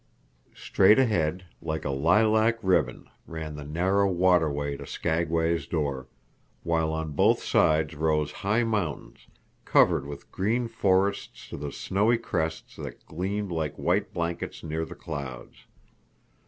Straight ahead, like a lilac ribbon, ran the narrow waterway to Skagway's door, while on both sides rose high mountains, covered with green forests to the snowy crests that gleamed like white blankets near the clouds.